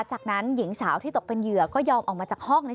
จากนั้นหญิงสาวที่ตกเป็นเหยื่อก็ยอมออกมาจากห้องใน